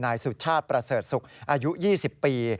นายสุชาติประเสริฐศุกร์อายุ๒๐ปี